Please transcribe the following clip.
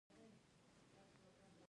ایا ستاسو مهارتونه نوي دي؟